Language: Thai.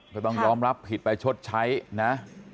ก็ต้องยอมรับผิดไปชดใช้นะ